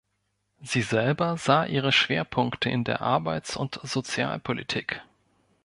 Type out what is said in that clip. Sie selber sah ihre Schwerpunkte in der Arbeits- und Sozialpolitik.